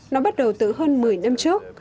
nó bắt đầu từ hơn một mươi năm trước